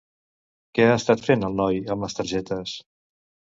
Què ha estat fent el noi amb les targetes?